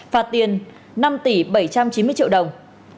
phạt tiền năm tỷ bảy trăm chín mươi triệu đồng